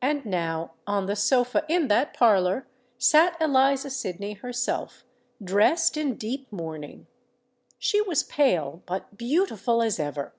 And now on the sofa in that parlour sate Eliza Sydney herself,—dressed in deep mourning. She was pale—but beautiful as ever!